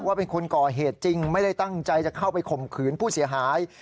เป็นคนก่อเหตุจริงไม่ได้ตั้งใจจะเข้าไปข่มขืนผู้เสียหาย